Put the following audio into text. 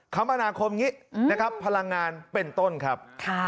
คมนาคมอย่างนี้นะครับพลังงานเป็นต้นครับ